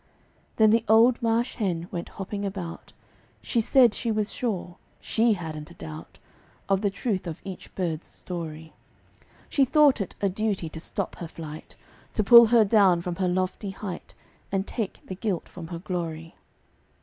Then the old Marsh Hen went hopping about, She said she was sure she hadn't a doubt Of the truth of each bird's story: And she thought it a duty to stop her flight, To pull her down from her lofty height, And take the gilt from her glory.